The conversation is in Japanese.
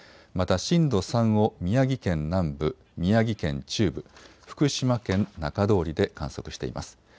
また震度３を宮城県南部、宮城県中部、福島県中通りで観測しています。